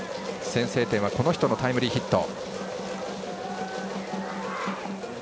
先制点はこの人のタイムリーヒット。